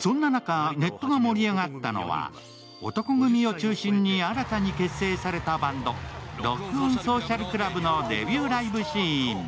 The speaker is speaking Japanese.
そんな中、ネットが盛り上がったのは男闘呼組を中心に新たに結成されたバンドＲｏｃｋｏｎＳｏｃｉａｌＣｌｕｂのデビューライブシーン。